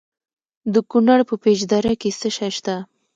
د کونړ په پيچ دره کې څه شی شته؟